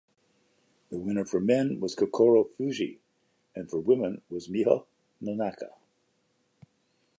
The winner for men was Kokoro Fujii and for women was Miho Nonaka.